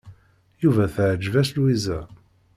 Yuba teɛjeb-as Lwiza.